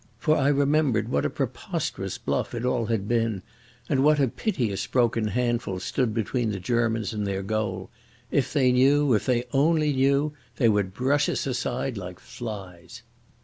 For I remembered what a preposterous bluff it all had been, and what a piteous broken handful stood between the Germans and their goal. If they knew, if they only knew, they would brush us aside like flies.